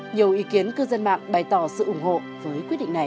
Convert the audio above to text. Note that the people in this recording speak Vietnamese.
nhiều ý kiến cư dân mạng bày tỏ sự ủng hộ với quyết định này